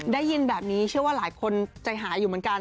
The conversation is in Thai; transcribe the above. ได้ยินแบบนี้เชื่อว่าหลายคนใจหายอยู่เหมือนกัน